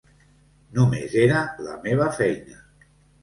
Només era la meva feina.